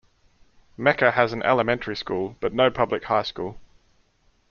Mecca has an elementary school, but no public high school.